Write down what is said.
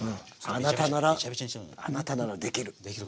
あなたならあなたならできる。